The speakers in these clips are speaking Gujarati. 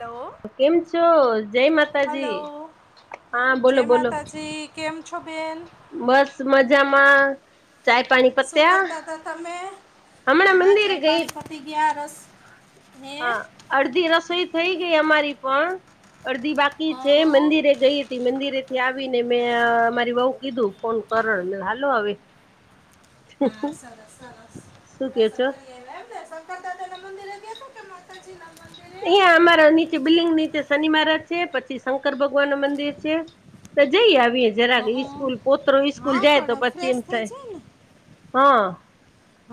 હલો કેમ છો? જય માતાજી. હલો હા, બોલો જય બોલો. માતાજી કેમ છો બેન? બસ મજામાં. ચાય પાણી શું પત્યા, કરતા હતા તમે હા હમણાં હા મંદિર ચાય ગયા તી. [unintelligible] હે હા, અડધી રસોઈ થઈ અમારી પણ. અડધી બાકી હા છે, મંદિરે ગઈ હતી, મંદિરે થી આવીને મેં મારી વહુ કીધું ફોન કરે ને, હાલો હવે. હા, સરસ સરસ શું કે દર્શન છો કરાવ્યા એમને. દાદા ના મંદિર ગયા કે, માતાજી ના મંદિર? અહીં અમારા નીચે બિલ્ડિંગ નીચે, શનિ મહારાજ છે, પછી શંકર ભગવાન નું મંદિર છે. તો જઈ આવી. જરા હા કે, ઈસ્કુલ પોત્ર ઈસ્કૂલ હા જાય તો, પણ પછી એમ ફ્રેશ થઈ થાય જાય ને હા.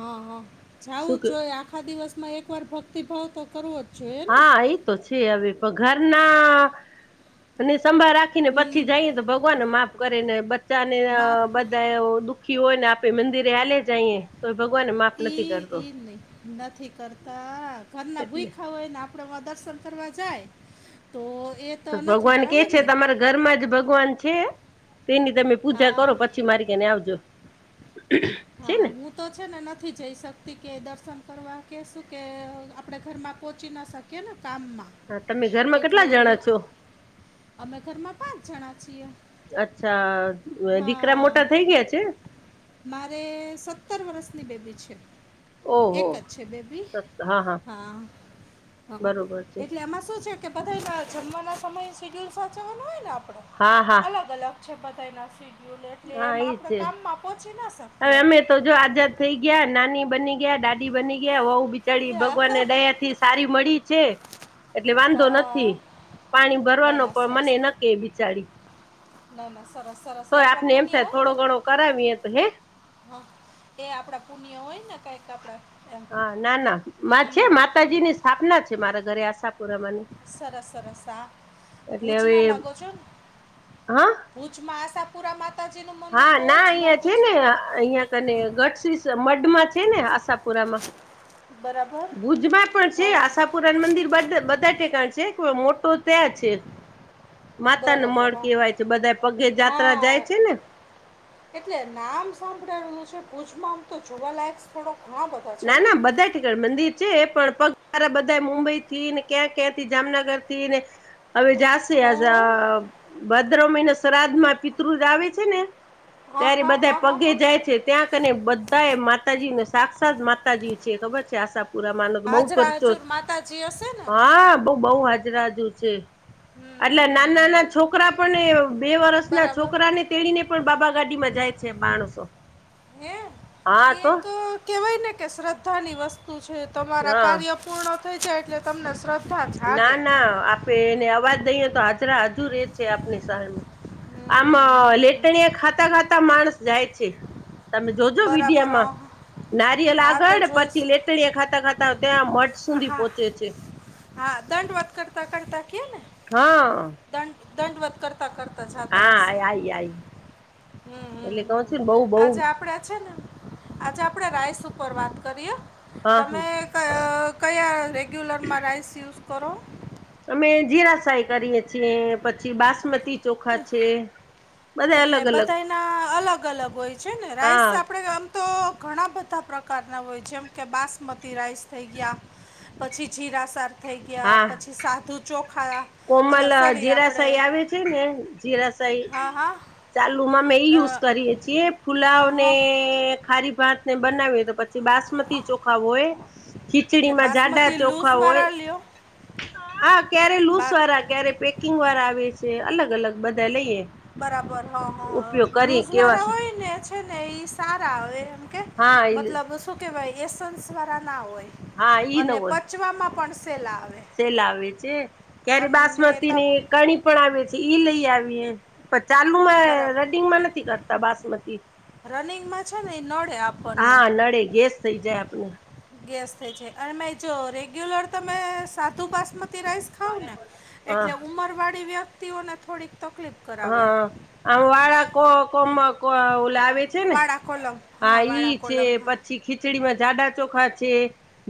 હા, હા શું જાવું કે જોઈ, આખા દિવસમાં એક વાર ભક્તિભાવ તો કરવો જ. જોઈએ ને હા, એ તો છે, હવે પણ ઘરના અને સંભાળ રાખીને, પછી હમ જઈએ તો, ભગવાન માફ કરે ને, બચ્ચા ને બા બધા એ દુખ આખી હોય ને, આપે મંદિરે આલે જઈએ તો, ભગવાનને માફ નથી ઈ કરતો. ઈ નહીં નથી કરતા, ઘરના ભૂઈ એટલે હોય ને આપડે. આપણે વા દર્શન કરવા જાય તો એ. તો નથી ભગવાન કે બરાબર છે ને તમારે? ઘરમાં જ ભગવાન છે, તેની તમે પૂજા કરો હા પછી મારી ત્યાં આવજો. છે હા, ને હું. તો છે ને, નથી જઈ શકતી કે, દર્શન કરવા કે શું કે આપણે ઘરમાં પહોંચી ન શકી. કેના કામમાં. હા તમે ઘરમાં કેટલા એટલે જણા છો અમે ઘરમાં પાંચ જણા છીએ. અચ્છા, દીકરા હા મોટા થઈ ગયા છે. મારે સત્તર વર્ષની બેબી છે. એક ઓહો જ છે બેબી? હા, હ બરોબર છે એટલે આમાં શું છે? કે બધાયના જમવાના સમય એ શેડ્યુઅલ સાચવવાના હોય ને, આપણે હા હા અલગ-અલગ છે બધાના. શેડ્યુઅલ એટલે, હા એમ એ આપણે છે કામમાં પહોંચી ના હવે શકીએ. અમે તો જો આઝાદ થઈ ગયા, નાની બની ગયા, દાદી બની ગયા, વહુ બિચારી યા. ભગવાનની દયા થી સારી મળી છે. એટલે વાંધો નથી, હા પાણી ના ભરવાનો ના પણ સરસ મને કે બિચારી ના, ના સરસ સરસ. એ તોય આપણા આપને એમ પુણ્ય થાય, હોય થોડો ને ઘણો કરાવીએે તો હે. હા, એ આપડા પુણ્ય હોય ને, કઈક આપડા એમ. હા ના, ના હમ, મારે છે, હમ. માતાજીની સ્થાપના છે, મારા ઘરે આશા સરસ સરસ. હા, એટલે હવે ભુજના લાગો છો? હા ભુજમાં આશાપુરા મા હા, ના અહિયાં છે ને, અહિયાં કને ગઢ મઢમાં છે ને, આશાપુરામાં. બરાબર ભુજમાં પણ છે, હા આશાપુરા મંદિર ટેકાણ છે કે, મોટું શહેર છે. માતાનનું બરોબર મળ હા કેવાય છે, બધા પગે જાત્રા જાય હા છે ને. એટલે નામ સાંભળાયેલું છે ભુજમાં, હું તો જોવાલાયક સ્થળો ઘણા બધા છે ના, ને ના બધા જ. ગ મંદિર છે, પણ પગારા બધા મુંબઈ થી ને ક્યાં ક્યાંથી જામનગર થી ને? હવે જાસ હં આજ હં. ભદ્ર મહિના શ્રાદ્ધમાં પિતૃ જ આવે છે ને, હા ત્યારે હા બધા હા હા પગે હા જાય છે. ત્યાં કને બધા એ માતાજીને સાક્ષાત માતાજી છે ખબર છે, આશા પુરા માનસ બઉ હાજરા કરચો હજુર માતાજી હશે ને હમ, હા બ બહુ હાજરાજુ છે, એટલે હમ, હમ. નાના-નાના છોકરા પણ બે વર્ષ એના બરાબર છોકરાને તેડીને, પણ બાબા ગાડીમાં જાય છે માણસો? હા, તો. કેવાય ને કે, શ્રદ્ધાની વસ્તુ છે, તમારા હા કાર્ય પૂર્ણ થઈ જાય એટલે. તમને શ્રધ્ધા જાગે. આપણે અવાજ દઈએ તો, હાજરા હજુર એ છે, આપણી સાહ આમ હમ, હમ, હમ. લેટણીયા ખાતા-ખાતા માણસ જાય છે. તમે જોજો બરાબર વિીડિયામાં હં, નારિયેલ હા તો આગળ, પછી જોઈશું લેટણીયા ખાતા ખાતા ત્યાં સુધી હા, પોહોંચે છે હા, દંડ વાત કરતા કરતા ગઈયાને. હા. દંડવત કરતા કરતા જાતા હા હશે? આઈ આઈ હમ હમ એટલે કઉ હમ, છું ને બઉ બઉ આજે આપણે છે ને. આજે આપણે રાઈસ ઉપર વાત કરીએ, હા તમે કંઈ કયા રેગ્યુલરમાં રાઇસ યુઝ કરો? અમે જીરા રાઈસ કરીએ છીએ, પછી બાસમતી ચોખા છે. બધા એટલે અલગ અલગ બધાના અલગ-અલગ હોય છે ને, રાઈસ હા આપણેે. તો ઘણા બધા પ્રકારના હોય છે. જેમ કે, બાસમતી રાઈસ થઈ ગયા. પછી જીરા સાફ થઈ ગયા, હા પછી સાધુ ચોખા અલ કોમલ સોરી આપણે જીરાસાઈ આવે છે ને, જીરાસાઈ. હા હા ચાલુમાં અમે એ યુઝ અ, કરીએ છીએ, ફુલાવને. હા ખારી ભાતને બનાવેલું પછી પછી બાસમતી ચોખા હોય, એટલે ખીચડીમાં જાડા બાસમતી ચોખા હોય. લૂઝવાળા લ્યો હા, ક્યારે લુસ બા ક્યારે પેકિંગવાળા આવે છે. અલગ અલગ બધા લઈએ. બરાબર. હ હ ઉપયોગ કરી કેવા લૂઝવાળા છે. હોયને છે ને, એ સારા આવે. હા એ મતલબ શું કેવાય? એસેન્સ વાળા સારા ના હોય, હા અને પછ બચવામાં પણ સેહલા આવે. સેલા આવે છે. ક્યારે અને ત બાસમતીની કણી પણ આવે છે, ઈ લઈ આવીએ. પણ ચાલુમાં બરાબર રડિંગમાં નથી કરતા બાસમતી. રનિંગમાં છે ને એ નડે આપણને હા, નડે ગેસ થઇ જાય. આપણને ગેસ થઈ છે અને જો રેગ્યુલર તમે સાધુ બાસમતી રાઈસ ખાવ ને હા એટલે ઉંમરવાળી વ્યક્તિઓને થોડીક તકલીફ કરાવે હા, આમ વાળા કો કો લાવ છે ને, વાળા કોલમ હા ઈ વાળા છે. કોલમ હા પછી ખીચડી માં જાડા ચોખા છે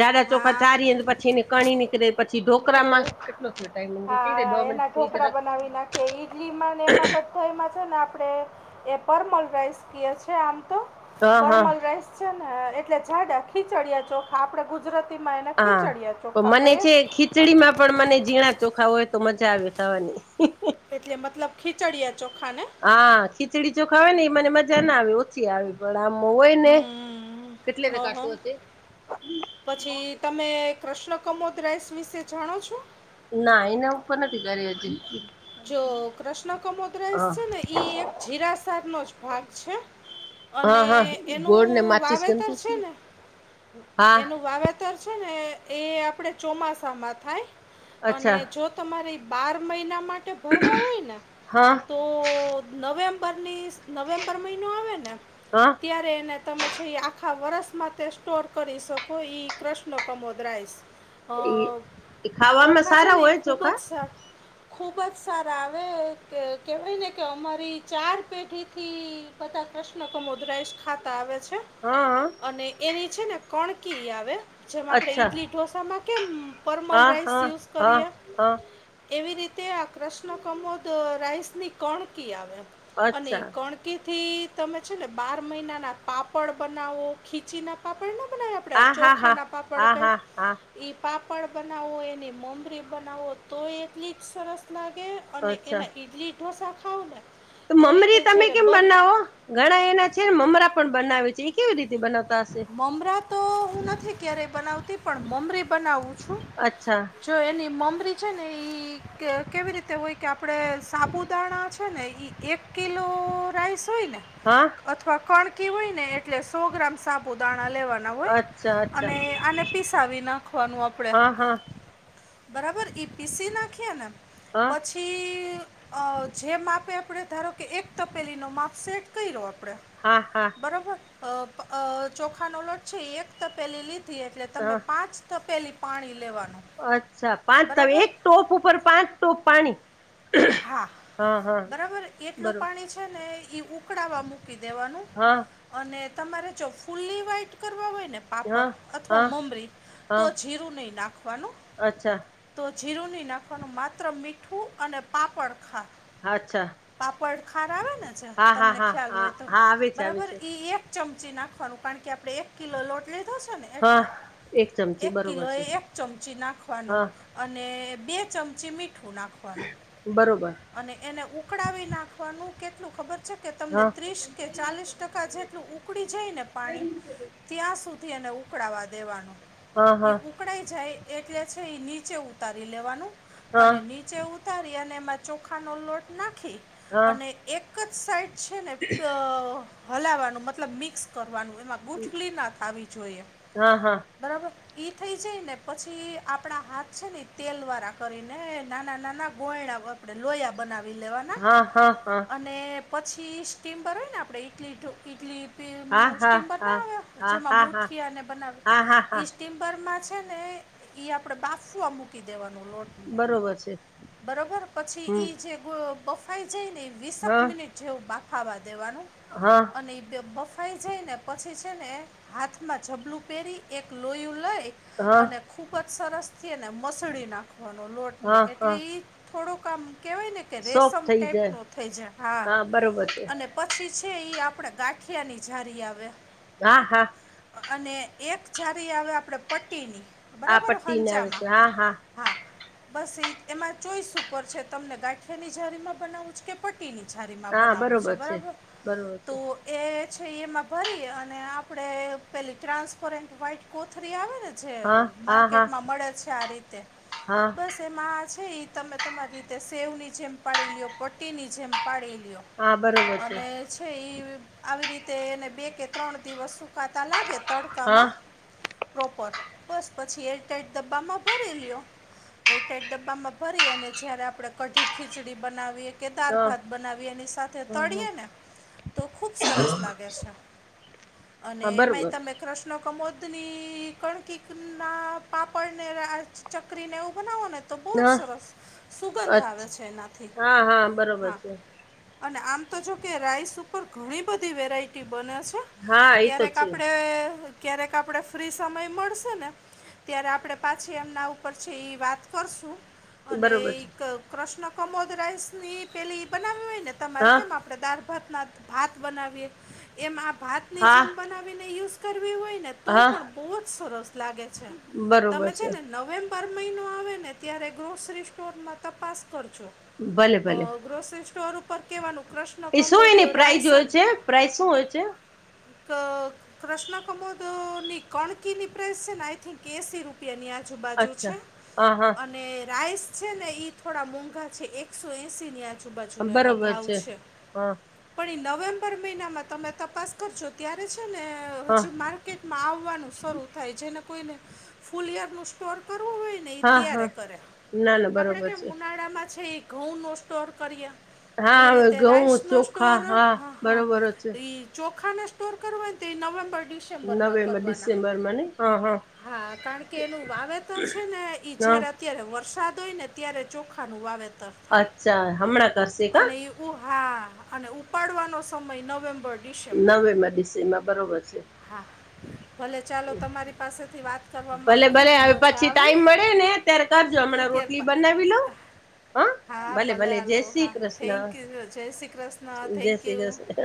જાડા ચોખા હા ચારી પછી એને કણી નીકળે પછી ઢોકરા નીકળે માં કેટલો થયો ટાઈમ રે દો મિનટ થઈ કે ઈડલીમાં ને એમાં પમ સ્થળમાં છે ને આપડે એ પરીમલ રાઈસ ક છે આમ તો હા હા પરીમલ રાઈસ છે ને એટલે જાડા ખીચડયા ચોખા આપડે ગુજરાતી માં એને હા ખીચડિયા પણ ચોખા મને કહીયે છે ખીચડીમાં પણ મને ઝીણા ચોખા હોય તો મજા આવે ખાવાની એટલે મતલબ ખીચડયા ચોખા ને હા ખીચડી ચોખા ને મને મજા ના આવે પ આવી પણ આમ હોય ને હમ કેટલી હં હં ટકો પછી તમે કૃષ્ણકમોદ રાઇસ વિષ વિષે જાણો છો ના એના ઉપર નથી કરી હતી જો કૃષ્ણકમોદ રઈસ છે ને ઈ એક જીરાસાર નો જ ભાગ છે હા અને હા એનું ગોળ ને માચીસ વાવેતર ગમતી છે ને હા એનું વાવેતર વાવેતર છે ને એ આપણે ચોમાસામાં થાય અને અચ્છા તમારે બાર મહિના માટે ભરવા હોય ને હા તો નવેમ્બરની નવેમ્બર મહિનો આવે ને હા ત્યારે એને તમે છે એ આખા વરસમાં તે સ્ટોર કરી શકો એ કૃષ્ણ કમોદ રાઈસ એ અ એ ખાવામાં ચોખા છે સારા ને એ હોય ખૂબ ચોખા જ સારા ખૂબ જ સારા આવે કેવાય ને કે અમારી ચાર પેઢી થી બધા કૃષ્ણ કોમદરાઈશ ઠાકર આવે છે હા હા અને એની છે ને કણકી આવે જેમાં આપણે અચ્છા ઇડલી ઢોસામાં કેમ પરમલ હા રાઈસ હા યુઝ હા કરીએ હા એવી રીતે આ કૃષ્ણ કમોદ રાઈસ ની કણકી આવે અને અચ્છા કણ કે થી તમે છે ને મહિનાના પાપડ બનાવો ખીચી ના પાપડ નો બનાવ્યા આ આપણે હા હા હા ચોખાના પાપડ હા કંઈ હા હા એ પાપડ બનાવો એની મમરી બનાવો તો એટલી જ સરસ લાગે અને અચ્છા એના ઇડલી ઢોસા ખાઓ ને તો તોય તે મમરી તમે જ્યારે કેમ બંધ બનાવો ઘણા એના છે ને, મમરા પણ બનાવે છે, એ કેવી રીતે બનાવતા હશે? મમરા તો હું નથી ક્યારેય બનાવતી, પણ મમરી બનાવું છું. અચ્છા. જો એની મમરી છે ને, એ કેવી રીતે હોય કે, આપણે સાબુદાણા છે ને, એ એક કિલો રાઈસ હોય ને. હા. અથવા કણકી હોય ને, એટલે સો ગ્રામ સાબુદાણા લેવાનું. અચ્છા અચ્છા આ પીસાવી નાખવાનું આપણેે. હા હા બરાબર, ઈ પીસી નાખીએ ને હા પછી પછી જે માપે, આપણે ધારો કે, એક તપેલીનું માપ સેટ કરી લો આપણે. હા, હા. બરોબર ચોખાનો લોટ છે, એક તો પેલી લીધી, એટલે તમે હા પાંચ તપેલી પાણી લેવાનુ. અચ્છા, પાંચ તમે એક ટોપ ઉપર, પાંચ ટોપ પાણી. હા બરાબર, એટલું બરોબર પાણી છે ને, એ ઉકળાવવા મૂકી દેવાનું. હા. અને તમારે જો ફુલ્લી વ્હાઈટ કરવા હોય ને. હા અથવા હા મમરી હા જીરું નહીં નાખવાનું. અચ્છા તો જીરુંની નાખવાનું માત્ર મીઠું, અને પાપડ ખા અચ્છા. પાપડ ખાર આવે ને છે, હા હા તમને હા ખ્યાલ હા હોય તો, હા આવે છે આવે બરાબર છે એક ચમચી નાખવાનું, કારણ કે આપણે એક કિલો લોટ લીધો છે ને. એટલે હા ચમચી એક બરોબર કિલોએ છે એક ચમચી નાખવાનું. હા અને બે ચમચી મીઠું નાખવાનું. બરાબર. અને એને ઉકળાવી નાખવાનું, કેટલું ખબર છે કે તમને? હા ત્રીસ કે ચાલીસ ટકા જેટલું ઉકળી જાય ને પાણી ત્યાં સુધી એને ઉકળાવવા દેવાનું. હા, હા. પકડા જાય એટલે છે, એ નીચે ઉતારી લેવાનું, હા અને નીચે ઉતારી અને એમાં ચોખાનો લોટ નાખી, અને એક જ સાઈડ છે ને. હલાવાનું, મતલબ મિક્સ કરવાનું, કારણ એમાં ગુટલી ના થવી જોઈએ હા બરાબર. એ થઈ જાય ને, પછી આપણા હાથ છે ને, તેલવાળા કરીને નાના-નાના ગોયણા વ આપણે લોયા બનાવી લેવાના, હા હા હા અને પછી સ્ટીમ પર હોય ને, આપણે ઇડલી ઢ ઇડલી ટીમ હા હા નું હા સ્ટીમ હા બનાવ્યો, હા હા જેમાં હા હા મુઠિયાને બનાવ હા હા હા ઈ. ટિમ્બરમાં છે ને, ઈ આપણેે બાફુવા મૂકી દેવાનો લોટ. બરોબર છે. પછી હમ એ જે બફાઈ જાય ને, વીસક હા મિનિટ જેવું બાફાવા દેવાનું. હા. અને એ બફાઈ જઈને, પછી છે ને. હાથમાં જબલું પહેરી એક લોયું લય હા અને ખૂબ જ સરસથી ને મસળ નાખવાનો લોટને, હા હા એટલે થોડુંક આામ કેવાય ને કે, સોફ રેશમ થઈ ટાઈપ જાય નો થઈ જાય, હા બરોબર છે અને પછી છે, એ આપણે ગાંઠિયાની જારી આવેયા. હા હા. અને એક જારી આવે, આપણે પટ્ટીની આ બરાબર પટ્ટીને આવે છે હંચામાં. હા હા બસ એ એમાં ચોઈસ ઉપર છે, તમને ગાંઠિયાની જાારીમાં છે, કે પટ્ટટીની છારીમાં હા બનાવવું છે, બરોબર બરાબર બરોબર તો‌. છે એ છે, એમાં ભરી અને આપણે પેલી ટ્રાન્સપરન્ટ વ્હાઈટ કોથરી આવે ને, જે હા હા હા માર્કેટમાં મળે છે, આ રીતે હા બસ. તેમાં છે, એ તમે તમારી રીતે સેવની જેમ પાડી લો પ્ટની જેમ પાડી લો. હા બરોબર છે અને છે, આવી રીતે એને બે કે ત્રણ દિવસ સુકાતા લાગે. હા તડકામાં પ્રોપર બસ પછી એર ટાઈટ ડબ્બામાં ભરી લ્યો. એટ ડબ્બામાં ફરી અને જયારે આપણે કઢી ખીચડી બનાવી. કે હા દાળ-ભાત બનાવી, એની સાથે હ તળીયે ને, તો ખુબ સરસ લાગે છે. અને હા એમાંય બરોબર તમે. કૃષ્ણ કમોદની કણકી ના પાપડને, ચકરીને, એવું બનાવો ને. તો બહુ જ હા સરસ સુગંધ આવે અચ્છા છે, એનાથી હા બરોબર હા. છે અને આમ તો જો કે રાઈસ ઉપર ઘણી બધી વેરાઈટી બને છે. હા એ તો ક્યારેક છે આપડે ક્યારેક આપડે ફ્રી સમય મળશે ને. ત્યારે આપણે પાછી એમના ઉપર છે એ વાત કરશું. અને બરોબર છે એક કૃષ્ણ કમોદ રાઇસ ની પેલી બનાવી હોય ને, તમારે હા કેમ આપ પદાર્થ ભાતના-ભાત બનાવીએ એમ, આ ભાતની હા જેમ બનાવીને યુઝ કર હોય ને તો, હા પણ બહુ જ સરસ લાગે છે, તમે છે ને, નવેમ્બર પર મહિનો આવે ને, ત્યારે ગ્રોસરી સ્ટોરમાં તપાસ કરજો. ભલે હ, ભલે ગ્રોસરી સ્ટોર ઉપર કેવાનું કૃષ ઈ શું એની પ્રાઇઝ હોય છે? પ્રાઇઝ શું હોય છે? ક કૃષ્ણ કમોદ ની કોણકી ની પ્રેસ છે ને, આઈ થિંક. કેસી રૂપિયાની આજુબાજુ અચ્છા છે, હા હા અને રાઈસ છે ને ઇ. થોડા મોંઘા છે, એકસો એસી ની આજુબાજુનો એનો ભાવ છે. હા પણ એ નવેમ્બર મહિનામાં તમે તપાસ કરજો ત્યારે છે ને, હા હજી પાન કેટમાં આવવાનું શરૂ થાય છેને, કોઈને ફૂલ યર નું સ્ટોર કરવું હોય. ને ઈ હા હા ત્યારે કરે, ના ના આપડે બરોબર કેમ છે ઉનાળામાં છે, એ ઘઉં નો સ્ટોર કરીએ. એવી હા રીતે રાઈસ ઘઉં નો ચોખા સ્ટોર, હા હ હા બરોબર છે એ. ચોખાને સ્ટોર કરવાય, તે નવેમ્બર ડીસ નવેમ્બર ડિસેમ્બરમાં ને. હ, હ. હા, કારણ કે એનું વાવેતર છે ને, હા ઈઝારાત ત્યારે વરસાદ હોય ને, ત્યારે ચોખાનું વાવેતર અચ્છા, હમણાં કરશે કા. ઉહા અને ઉપાડવાનો સમય નવેમ્બર ડિસેમ્બર નવેમ્બર-ડિસેમ્બર બરોબર છે. હા. ભલે ચાલો, તમારી પાસેથી વાત કરવામાં ભલે ખુબ ભલે હવે મજા પછી આવી. ટાઈમ મળે ને ત્યારે કરજો હમણાં રોટલી બનાવી લઉ. [unintelligible] હા, ભલે. હાલો, હા થેન્ક યુ, જય શ્રી કૃષ્ણ, જય શ્રી થેન્કયુ. કૃષ્ણ